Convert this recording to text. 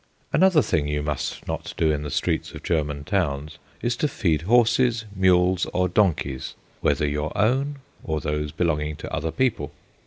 Another thing you must not do in the streets of German towns is to feed horses, mules, or donkeys, whether your own or those belonging to other people.